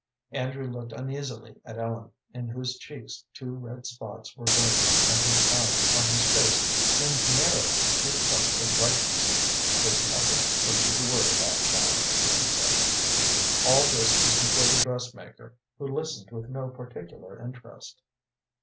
Andrew looked uneasily at Ellen, in whose cheeks two red spots were burning, and whose eyes upon his face seemed narrowed to two points of brightness. "There's nothing for you to worry about, child," he said. All this was before the dressmaker, who listened with no particular interest.